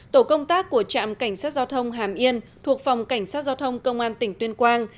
tổ công tác của trạm cảnh sát giao thông hàm yên thuộc phòng cảnh sát giao thông công an tỉnh tuyên quang